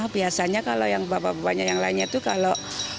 biasanya kalau yang bapak bapaknya yang lainnya itu kalau